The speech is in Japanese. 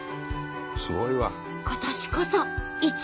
すごいわ。